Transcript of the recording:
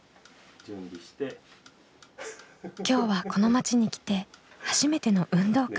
今日はこの町に来て初めての運動会。